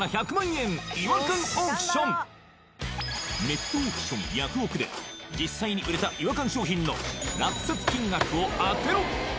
ネットオークションヤフオク！で実際に売れた違和感商品の落札金額を当てろ！